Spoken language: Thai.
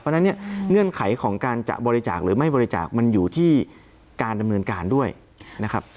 เพราะฉะนั้นเนี่ยเงื่อนไขของการจะบริจาคหรือไม่บริจาคมันอยู่ที่การดำเนินการด้วยนะครับ